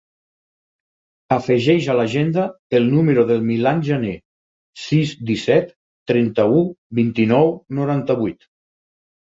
Afegeix a l'agenda el número del Milan Janer: sis, disset, trenta-u, vint-i-nou, noranta-vuit.